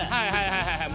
はいはいはい。